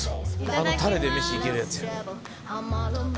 あのタレで飯いけるやつや。